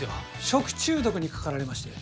食中毒にかかられまして。